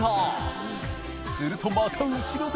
するとまた後ろで）